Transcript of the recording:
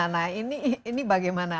nah ini bagaimana